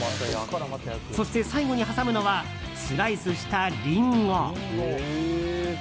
そして、最後に挟むのはスライスしたリンゴ。